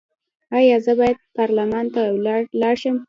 ایا زه باید پارلمان ته لاړ شم؟